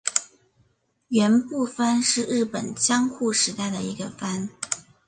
园部藩是日本江户时代的一个藩。